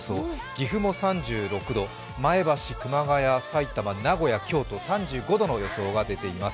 岐阜も３６度、前橋、熊谷、埼玉、名古屋、京都３５度の予想が出ています。